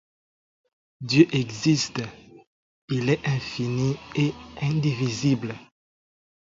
Dieu existe, il est infini et indivisible.